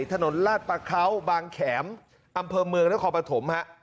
ถนนลาดปะเขาบางแข็มอำเภอเมืองและขอบธรรม